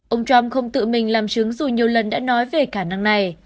ông trump không tự mình làm chứng dù nhiều lần đã nói về khả năng này